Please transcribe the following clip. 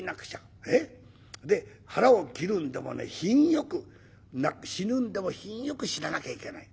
腹を切るんでもね品よく死ぬんでも品よく死ななきゃいけない。